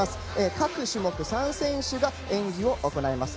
各種目３選手が演技を行います。